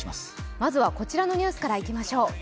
まずはこちらのニュースからいきましょう。